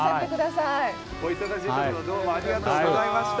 はいどうもありがとうございました。